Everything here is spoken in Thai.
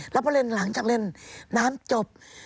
แล้วก็ที่เรียงหลังจากเรียนน้ำจบ